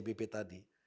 operasi atau cbp tadi